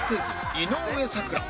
井上咲楽